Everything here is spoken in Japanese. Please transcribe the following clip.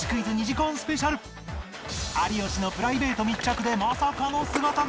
有吉のプライベート密着でまさかの姿が！